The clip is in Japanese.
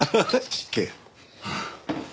失敬。